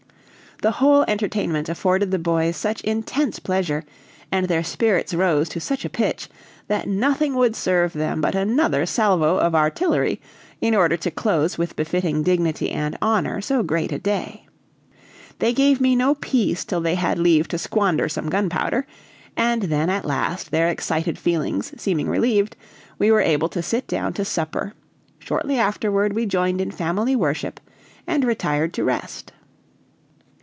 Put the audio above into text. The whole entertainment afforded the boys such intense pleasure, and their spirits rose to such a pitch, that nothing would serve them but another salvo of artillery, in order to close with befitting dignity and honor so great a day. They gave me no peace till they had leave to squander some gunpowder, and then at last their excited feelings seeming relieved, we were able to sit down to supper; shortly afterward we joined in family worship and retired to rest.